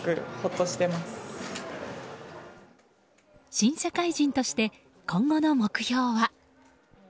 新社会人として今後の目標は。